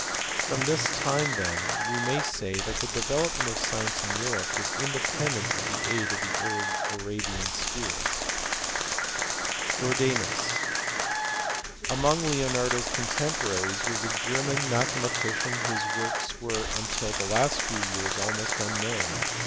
From this time then we may say that the development of science in Europe was independent of the aid of the Arabian schools. Jordanus*. Among Leonardo s contemporaries was a German mathematician, whose works were until the last few years almost unknown.